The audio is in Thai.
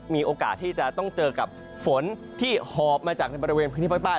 มีโอกาสที่จะต้องเจอกับฝนที่หอบมาจากในบริเวณพื้นที่ภาคใต้